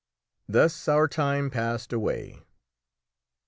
Thus our time passed away.